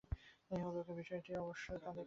ইহলোকের বিষয়ে অবশ্য তাদের কাছ থেকে আমাদের শিখতে হবে।